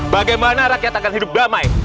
bagaimana rakyat akan hidup damai